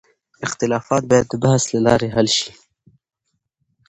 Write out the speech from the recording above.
اختلافات باید د بحث له لارې حل شي.